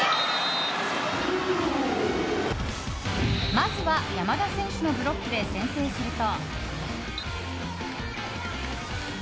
まずは、山田選手のブロックで先制すると。